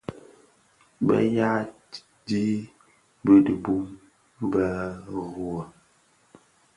Bèè yaà dig bì di bum bê rì wôô.